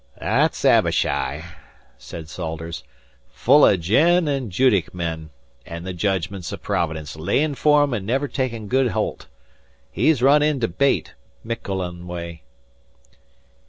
"That's Abishai," said Salters. "Full o' gin an' Judique men, an' the judgments o' Providence layin' fer him an' never takin' good holt He's run in to bait, Miquelon way."